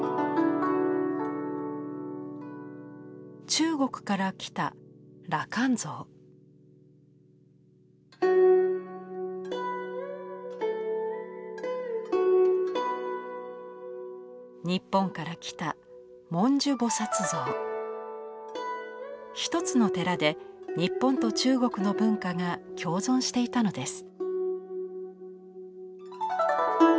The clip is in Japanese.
中国から来た日本から来た一つの寺で日本と中国の文化が共存していたのです。